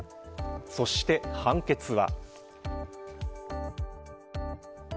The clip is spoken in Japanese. そして判決は。